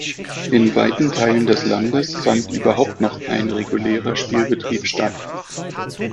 In weiten Teilen des Landes fand überhaupt noch kein regulärer Spielbetrieb statt.